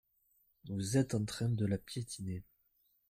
Vous êtes en train de la piétiner.